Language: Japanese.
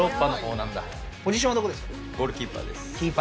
ゴールキーパーです。